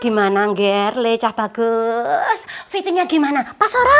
gimana nger lecah bagus fittingnya gimana pasora